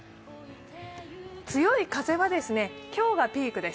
強い風は今日がピークです。